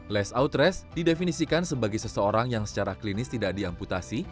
less outrest didefinisikan sebagai seseorang yang secara klinis tidak diamputasi